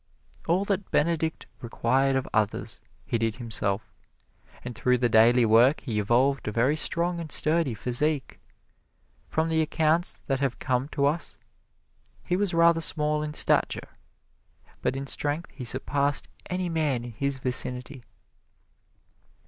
All that Benedict required of others, he did himself, and through the daily work he evolved a very strong and sturdy physique. From the accounts that have come to us he was rather small in stature, but in strength he surpassed any man in his vicinity.